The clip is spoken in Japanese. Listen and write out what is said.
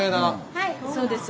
はいそうです。